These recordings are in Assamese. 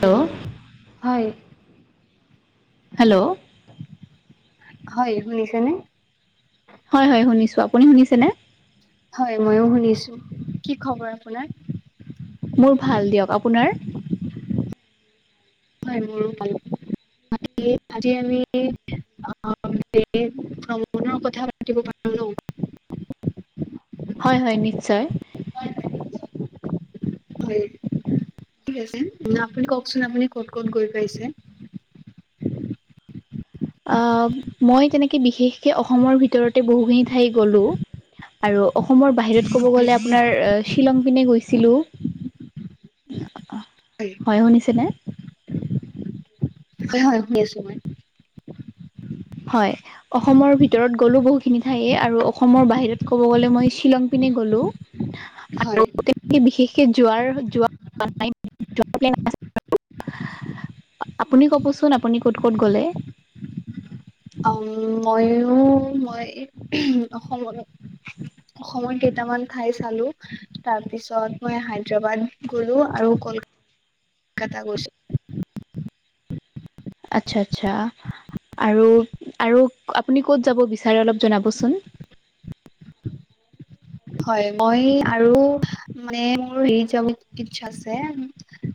হেল্ল' হয়, হেল্ল, হেল্ল' হয়, শুনিছে নে? হয়, হয়, শুনিছোঁ। আপুনি শুনিছেনে? হয়, মইয়ো শুনিছোঁ। কি খবৰ আপোনাৰ? মোৰ ভাল দিয়ক। আপোনাৰ? হয়, মোৰো ভালে। আজি, আমি [unintelligible] ভ্ৰমণৰ কথা পাতিব পাৰো ন? [inaudible] হয়, হয়, নিশ্চয়। [inaudible] হয়। [unintelligible] আপুনি কওঁকচোন, আপুনি ক'ত, ক'ত গৈ পাইছে? অ, মই তেনেকে বিশেষকে অসমৰ ভিতৰতে বহুখিনি ঠাই গ'লো। আৰু অসমৰ বাহিৰত ক'ব হয় গ'লে আ আপোনাৰ শ্বিলং পিনে গৈছিলোঁ। হয়, শুনিছেনে? হয়, হয়, শুনি আছোঁ মই। হয়, অসমৰ ভিতৰত গ'লো বহুতখিনি ঠাইয়ে আৰু অসমৰ বাহিৰত ক'ব গ'লে মই শ্বিলংপিনে গ'লো। হয়, বিশেষকে যোৱাৰ, যোৱা [unintelligible] আপুনি ক'বচোন, আপুনি ক'ত, ক'ত গ'লে? অম, ময়ো মই অসমলৈ [unintelligible] অসমৰ কেইটামান ঠাই চালোঁ। তাৰপিছত মই হায়দাৰাবাদ গ'লো আৰু কল কাতা গৈছোঁ। আচ্ছা, আচ্ছা। আৰু, আৰু আপুনি ক'ত যাব বিচাৰে অলপ জনাবচোন? হয়, মই আৰু মানে মোৰ হেৰি যাব ইচ্ছা আছে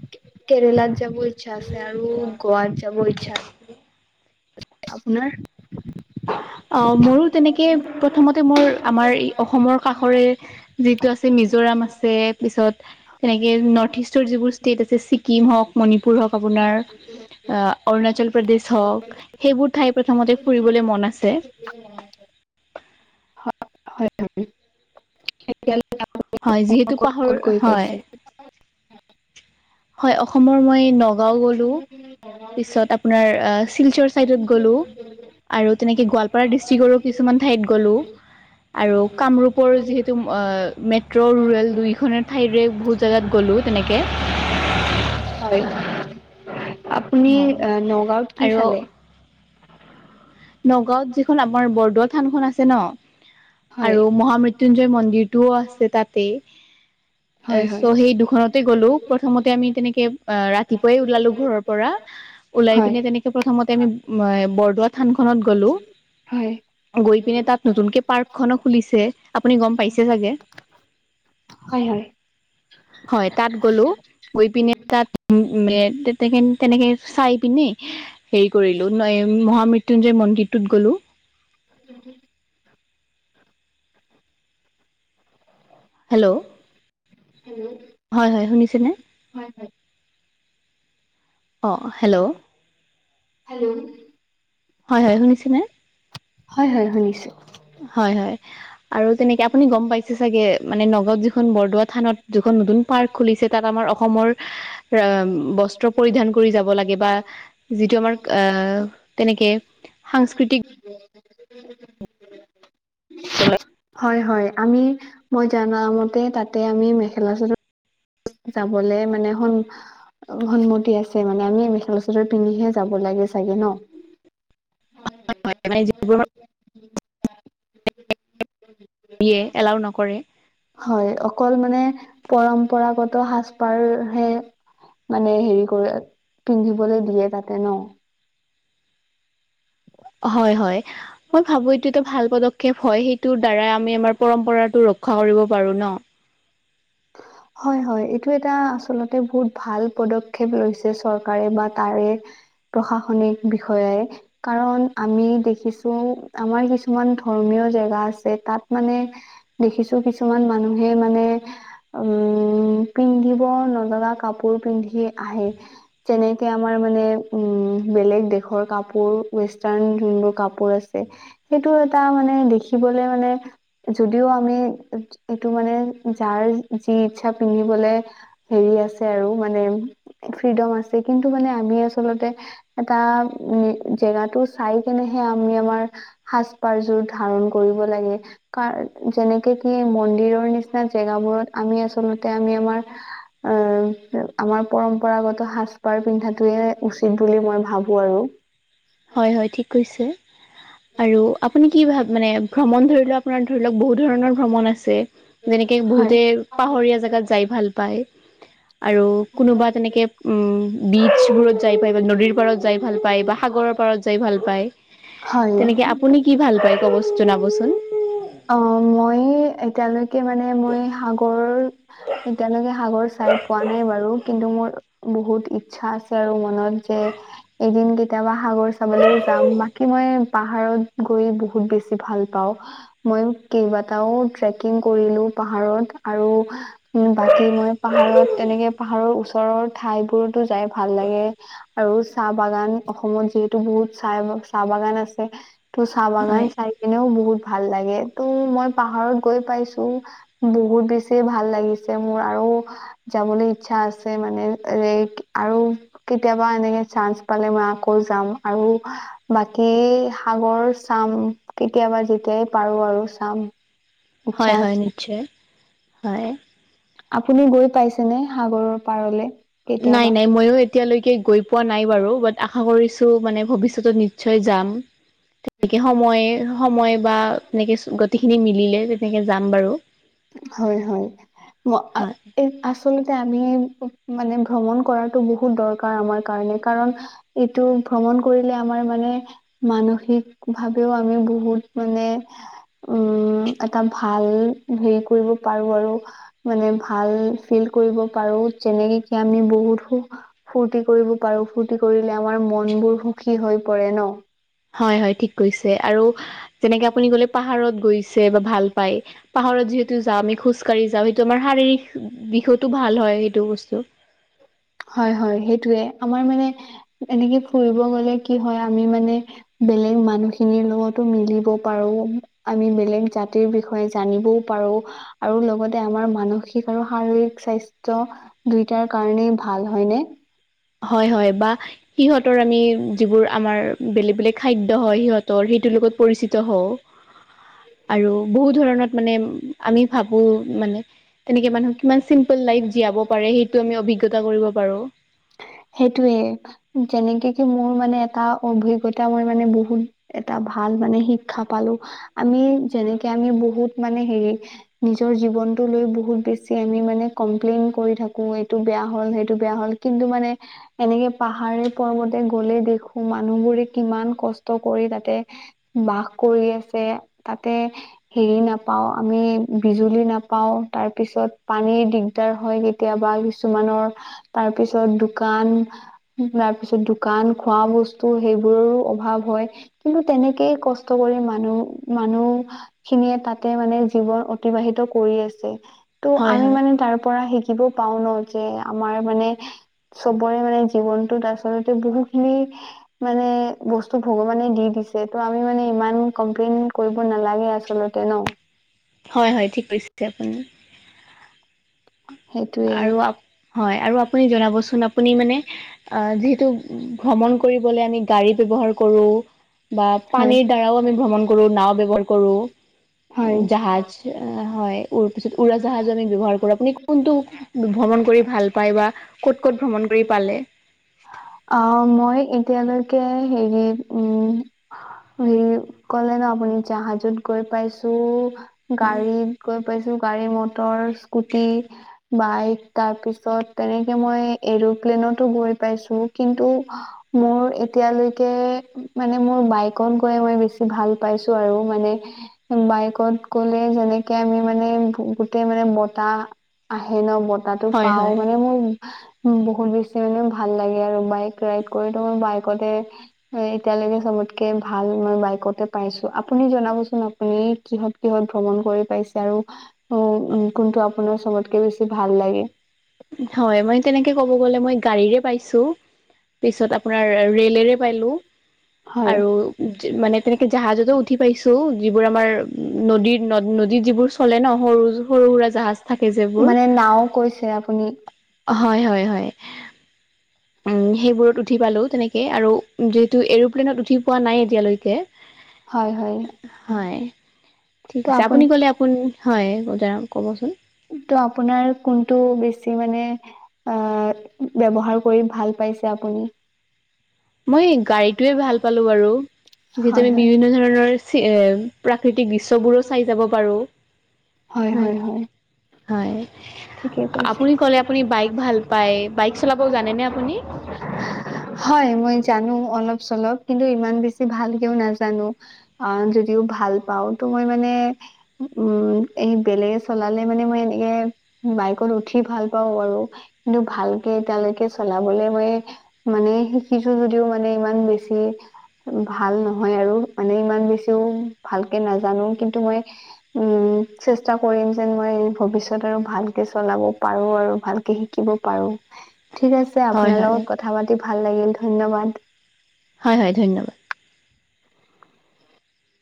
কেৰেলাত যাব ইচ্ছা আছে আৰু গোৱাত যাব ইচ্ছা আছে। আপোনাৰ? অ', মোৰো তেনেকে প্ৰথমতে মোৰ আমাৰ অসমৰ কাষৰে যিটো আছে মিজোৰাম আছে, পিছত সেনেকে নৰ্থ -ইষ্টৰ যিবোৰ ষ্টেট আছে ছি ছিকিম হওঁক, মণিপুৰ হওঁক আপোনাৰ। অৰুণাচল প্ৰদেশ হওঁক, সেইবোৰ ঠাই প্ৰথমতে ফুৰিবলৈ মন আছে। [inaudible] এতিয়ালৈকে [unintelligible] হয় যিহেতু অসমৰ ক'ত পাহৰ ক'ত গৈ হয় পাইছে? হয়, অসমৰ মই ন গাঁও গ'লো, পিছত আপোনাৰ আ শিলচৰ চাইডত গ'লো। আৰু তেনেকে গোৱালপাৰা ডিষ্ট্ৰিক্টৰো কিছুমান ঠাইত গ'লো। আৰু কামৰূপৰ যিহেতু অ' মেট্ৰ' ৰুৰেল দুইখনৰ ঠাইৰে বহুত জেগাত গ'লো তেনেকে। হয়। আপুনি হয় অ' নগাঁওত কি আৰু চালে? নগাঁওত যিখন আমাৰ বৰদোৱা থানখন আছে ন! হয় আৰু মহা মৃত্যুঞ্জয় মন্দিৰটোও আছে তাতেই। হয় অ', হয় চ' সেই দুখনতে গলো। প্ৰথমতে আমি তেনেকে অ' ৰাতিপুৱাই ওলালো ঘৰৰ পৰা। ওলাই হয় পিনে তেনেকে প্ৰথমতে আমি বৰদোৱা থানখনত গ'লো। হয় গৈ পিনে তাত নতুনকে পাৰ্ক এখনো খুলিছে আপুনি গম পাইছে চাগে? হয়, হয়। হয় তাত গ'লো। গৈ পিনে তাত মে তেত তেকেন তেনেক চাই পিনে হেৰি কৰিলোঁ নই মহামৃত্যুঞ্জয় মন্দিৰটোত গ'লো। [inaudible] হেল্ল'! হেল্ল'! হয়, হয়, শুনিছেনে? হয়, হয়। অ', হেল্ল! হেল্ল! হয়, হয়, শুনিছেনে? হয়, হয়, শুনিছোঁ। হয়, হয়, আৰু তেনেকে আপুনি গম পাইছে চাগে মানে নগাঁৱত যিখন বৰদোৱা থানত যিখন নতুন পাৰ্ক খুলিছে তাত আমাৰ অসমৰ ৰ'ম বস্ত্ৰ পৰিধান কৰি যাব লাগে বা যিটো আমাৰ অ' তেনেকে সাংস্কৃতিক‌ হয়, হয়, আমি মই জানামতে তাতে আমি মেখেলা চাদৰ যাবলে মানে সন সন্মতি আছে মানে, আমি মেখেলা চাদৰ পিন্ধিহে যাব লাগে চাগে ন? হয়, হয়। মানে যিবোৰ [unintelligible] এলাউ নকৰে। হয় অকল মানে পৰম্পৰাগত সাজপাৰ হে মানে হেৰি কৰে, পিন্ধিবলৈ দিয়ে তাতে ন! হয়, হয়। মই ভাবো এইটো এটা ভাল পদক্ষেপ হয়, সেইটোৰ দ্বাৰা আমি আমাৰ পৰম্পৰাটো ৰক্ষা কৰিব পাৰো ন? [inaudible] হয়, হয়। এইটো এটা আচলতে বহুত ভাল পদক্ষেপ লৈছে চৰকাৰে বা তাৰে প্ৰশাসনিক বিষয়াই। কাৰণ আমি দেখিছো আমাৰ কিছুমান ধৰ্মীয় জেগা আছে তাত মানে দেখিছো কিছুমান মানুহে মানে উম, পিন্ধিব নলগা কাপোৰ পিন্ধি আহে। যেনেকে আমাৰ মানে উম বেলেগ দেশৰ কাপোৰ ৱেষ্টাৰ্ণ জোনবোৰ কাপোৰ আছে। সেইটো এটা মানে দেখিবলে মানে যদিও আমি এইটো মানে যাৰ যি ইচ্ছা পিন্ধিবলে হেৰি আছে, আৰু মানে, ফ্ৰীডম আছে, কিন্তু মানে আমি আচলতে এটা উম, জেগাটো চাই কেনেহে আমি আমাৰ সাজ পাৰযোৰ ধাৰণ কৰিব লাগে। কাৰ যেনেকে কি মন্দিৰৰ নিচিনা জেগাবোৰত আমি আচলতে আমি আমাৰ অ'আমাৰ পৰম্পৰাগত সাজ-পাৰ পিন্ধাতোৱে উচিত বুলি মই ভাবোঁ আৰু। হয়, হয়, ঠিক কৈছে। আৰু আপুনি কি ভাব মানে ভ্ৰমণ ধৰি লওঁক, আপোনাৰ ধৰি লওঁক বহুত ধৰণৰ ভ্ৰমণ আছে। যেনেকে হয় বহুতে পাহাৰিয়া জেগাত যাই ভাল পায়। আৰু কোনোবা তেনেকে উম, বীচ বোৰত যাই পাই বা নদীৰ পাৰত যাই ভাল পায় বা সাগৰত। পাৰত যাই ভাল পায়, হয় তেনেকে আপুনি কি ভাল পায়? ক'ব জনাবচোন। অ' মই এতিয়ালৈক। কে মানে মই সাগৰ এতিয়ালৈকে সাগৰ চাই পোৱা নাই বাৰু। কিন্তু মোৰ বহুত ইচ্ছা আছে, আৰু মনত যে এদিন কে কেতিয়াবা সাগৰ চাবলৈও যাম, বাকী মই পাহাৰত গৈ বহুত বেছি ভাল পাওঁ। মই কেইবাটাও ট্ৰেকিং কৰিলোঁ পাহাৰত আৰু। মোৰ ভাইটি মই পাহাৰত। তেনেকে পাহাৰৰ ওচৰৰ ঠাইবোৰতো যাই ভাল লাগে আৰু। চাহ বাগান অসমত যিহেতু বহুত চাহ চাহ বাগান আছে ত' চাহ হয় বাগান চাই। এনেও বহুত ভাল লাগে ত' মই পাহাৰত গৈ পাইছোঁ। বহুত বেছি ভাল লাগিছে মোৰ আৰু। যাবলৈ ইচ্ছা আছে মানে এৰে আৰু। কেতিয়াবা এনেকে চান্স পালে মই আকৌ যাম আৰু। বাকী সাগৰ চাম কেতিয়াবা যেতিয়াই পাৰোঁ আৰু চাম। ইচ্ছা হয়, হয়, আছে নিশ্চয়, হয়। আপুনি গৈ পাইছেনে সাগৰৰ পাৰলে? নাই, কেতিয়াবা নাই, ময়ো এতিয়ালৈকে গৈ পোৱা নাই বাৰু বাত আশা কৰিছোঁ মানে ভৱিষ্যতে নি নিশ্চয় যাম। তেনেকে সময় সময় বা তেনেকে গতিখিনি মিলিলে তেনেকে যাম বাৰু। হয়, হয়, ম হয়। আচলতে আমি মানে ভ্ৰমণ কৰাটো বহুত দৰকাৰ আমাৰ কাৰণে। কাৰণ এইটো ভ্ৰমণ কৰিলে আমাৰ মানে মানসিক। ভাবেও আমি বহুত মানে। উম, এটা ভাল হেৰি কৰিব পাৰোঁ আৰু। মানে ভাল ফিল কৰিব পাৰো যেনেকে কি আমি বহুতো সুখ ফূৰ্তি কৰিব পাৰোঁ, ফূৰ্ত্তি কৰিলে আমাৰ মন বোৰ সুখী হৈ পৰে ন? হয়, হয়, ঠিক কৈছে আৰু যেনেকে আপুনি ক'লে পাহাৰত গৈছে, বা ভাল পায়। পাহাৰত যিহেতু যাওঁ, আমি খোজ কাঢ়ি যাওঁ সেইটো আমাৰ শাৰীৰিক দিশতো ভাল ন। হয়, সেইটো বস্তু। হয়, হয়, সেইটোৱে আমাৰ মানে। এনেকে ফুৰিব গ'লে কি হয় আমি মানে। বেলেগ মানুহখিনিৰ লগতো মিলিব পাৰোঁ। আমি বেলেগ জাতিৰ বিষয়ে জানিবও পাৰোঁ। আৰু লগতে আমাৰ মানসিক আৰু শাৰীৰিক স্বাস্থ্য। দুইটাৰ কাৰণেই ভাল হয়নে? হয়, হয়, বা সিহঁতৰ আমি যিবোৰ আমাৰ বেলেগ বেলেগ। খাদ্য হয়, সিহঁতৰ সেইটোৰ লগত পৰিচিত হওঁ। আৰু বহু ধৰণত মানে আমি ভাবোঁ। মানে তেনেকে মানুহ কিমান চিন্তা পোল লাইফ জীয়াব পাৰে সেইটো আমি অভিজ্ঞতা কৰিব পাৰোঁ। সেইটোয়ে যেনেকে কি মোৰ মানে এটা অভিজ্ঞতা মই মানে বহুত। এটা ভাল মানে শিক্ষা পালোঁ। আমি যেনেকে আমি বহুত মানে হেৰি। নিজৰ জীৱনটো লৈ বহুত বেছি আমি মানে কমপ্লেইন কৰি থাকো, এইটো বেয়া হ'ল, সেইটো বেয়া হ'ল। কিন্তু মানে। এনেকে পাহাৰে পৰ্বতে গলে দেখো মানুহবোৰে কিমান কষ্ট কৰি তাতে। বাস কৰি আছে তাতে। হেৰি নাপাওঁ, আমি বিজুলী নাপাওঁ, তাৰপিছত পানী দি দিগাৰ হয় কেতিয়াবা কিছুমানৰ তাৰ পিছত দোকান। তাৰ পিছত দোকান, খোৱা বস্তু সেইবোৰৰো অভাৱ হয়। কিন্তু তেনেকেই কষ্ট কৰে মানুহ, মানুহ খিনিয়ে তাতে মানে জীৱন অতিবাহিত কৰি আছে। ত', হয় আমি হয় মানে তাৰ পৰা শিকিব পাওঁ ন যে, আমাৰ মানে চবৰে মানে জীৱনটোত আচলতে বহুখিনি মানে বস্তু ভগৱানে দি দিছে। ত', আমি মানে ইমান কমপ্লেইন কৰিব নালাগে আচ আচলতে ন! হয়, হয় ঠিক কৈছে আপুনি। সেইটোয়ে আৰু আপ, হয় আৰু আপুনি জনাবচোন, আপুনি মানে আ, যিহেতু ভ্ৰমণ কৰিবলে আমি গাড়ী ব্যৱহাৰ কৰো। বা হয় পানীৰ দ্বাৰাও আমি ভ্ৰমণ কৰো। নাও ব্যৱহাৰ কৰোঁ। হয় ও', জাহাজ এ', হয়। ওৰো পিছত। উৰাজাহাজো আমি ব্যৱহাৰ কৰোঁ। আপুনি কোনটো ভ্ৰমণ কৰি ভাল পায়। বা ক'ত ক'ত ভ্ৰমণ কৰি পালে? অ', মই এতিয়ালৈকে হেৰি, উম হেৰি, ক'লে ন আপুনি! জাহাজত গৈ পাইছো। গাড়ীত গৈ পাইছো গাড়ী, মটৰ, স্কুটি বাইক। তাৰপিছত, তেনেকে মই এৰ'প্লেনতো গৈ পাইছো। কিন্তু মোৰ এতিয়ালৈকে মানে, মোৰ বাইক অকণ গয় মই বেছি ভাল পাইছোঁ, আৰু মানে বাইকত গ'লে, যেনেকে আমি মানে, গোটেই মানে বতাহ আহে ন! বতাহটো হয় পাওঁ। হয় মানে মোৰ বহুত বেছি মানে ভাল লাগে, আৰু বাইক ৰাইড কৰি। ত', মই বাইকতে হয়। এতিয়ালৈকে চবত কে ভাল মই বাইকতে পাইছোঁ। আপুনি জনাবচোন, আপুনি কিহত কিহত ভ্ৰমণ কৰি পাইছে? আৰু অ', উম কোনটো আপোনাৰ চবতকে বেছি ভাল লাগে? হয়, মই তেনেকে ক'ব গ'লে মই গাড়ীৰে পাইছোঁ। পিছত আপোনাৰ, ৰেলেৰে পালো। হয় আৰু ও', যি মানে তেনেকে জাহাজতো উঠি পাইছোঁ। যিবোৰ আমাৰ নদীৰ নদ, নদী যিবোৰ চলে ন! সৰু সৰু উৰাজাহাজ থাকে যে, এইবোৰ। মানে নাও কৈছে আপুনি? হয়, হয়, হয়। উম, সেইবোৰত উঠি পালো। তেনেকে, আৰু যিহেতু এৰপ্লেইনত উঠি পোৱা নাই এতিয়ালৈকে। হয়, হয়। হয়। ঠিক ত আছে। আপোন আপুনি ক'লে, আপুন হয়, [unintelligible] কবচোন? ত', আপোনাৰ কোনটো বেছি মানে আ, ব্যৱহাৰ কৰি ভাল পাইছে আপুনি? মই গাড়ীতোৱে ভাল পালো বাৰু। যিহেতু, হয় আমি হয় বিভিন্ন ধৰণৰ চি এ প্ৰাকৃতিক দৃশ্যবোৰো চাই যাব পাৰো। হয়, হয়, হয়। হয়, ঠিকেই কৈছে আপুনি ক'লে, আপুনি বাইক ভাল পায়। বাইক চলাব জানেনে আপুনি? হয়, মই জানো অলপ-চলপ। কিন্তু ইমান বেছি ভালকেও নাজানোঁ। অ', যদিও ভাল পাওঁ, তো মই মানে উম, এই বেলেগে চলালে মানে মই এনেকে বাইকত উঠি ভাল পাওঁ বাৰু। কিন্তু ভালকে এতিয়ালৈকে চলাবলে মই মানে, শিকিছো যদিও মানে, ইমান বেছি ভাল নহয় আৰু। মানে, ইমান বেছিও ভালকে নাজানো। কিন্তু মই উম, চেষ্টা কৰিম যেন, মই ভৱিষ্যত আৰু ভাল ভালকে চলাব পাৰো আৰু। ভালকে শিকিব পাৰো। ঠিক আছে, হয় আপোনাৰ হয় লগত কথা পাতি ভাল লাগিল। ধন্যবাদ। হয়, হয়, ধন্যবাদ।